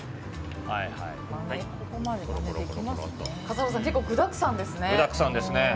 笠原さん結構具だくさんですね。